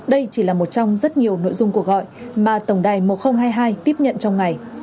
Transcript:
đây chỉ là một trong rất nhiều nội dung cuộc gọi mà tổng đài một nghìn hai mươi hai tiếp nhận trong ngày